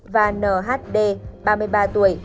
và nhd ba mươi ba tuổi